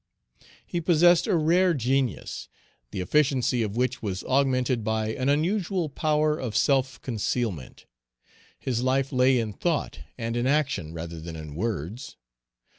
He possessed a rare genius, the efficiency of which was augmented by an unusual power of self concealment. His life lay in thought and in action rather than in words.